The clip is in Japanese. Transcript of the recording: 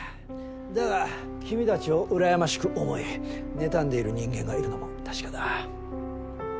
だが君たちを羨ましく思い妬んでいる人間がいるのも確かだ。